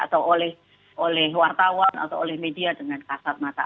atau oleh wartawan atau oleh media dengan kasat mata